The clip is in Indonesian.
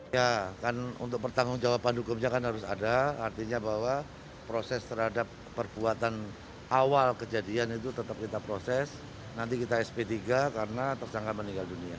ya kan untuk pertanggung jawaban hukumnya kan harus ada artinya bahwa proses terhadap perbuatan awal kejadian itu tetap kita proses nanti kita sp tiga karena tersangka meninggal dunia